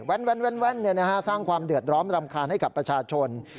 แว่นสร้างความเดือดร้อนรำคาญให้กับประชาชน